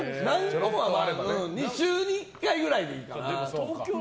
２週に１回ぐらいでいいかな。